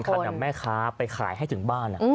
และที่สำคัญกับแม่ค้าไปขายให้ถึงบ้าน